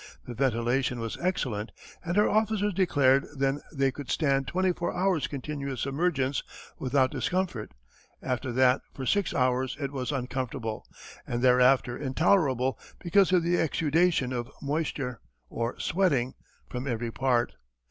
The ventilation was excellent, and her officers declared that they could stand twenty four hours continuous submergence without discomfort, after that for six hours it was uncomfortable, and thereafter intolerable because of the exudation of moisture or sweating from every part.